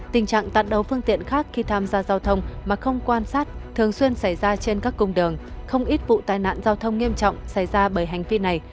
tình trạng tạt đầu phương tiện khác khi tham gia giao thông mà không quan sát thường xuyên xảy ra trên các cung đường không ít vụ tai nạn giao thông nghiêm trọng xảy ra bởi hành vi này